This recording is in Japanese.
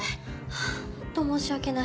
ハァホント申し訳ない。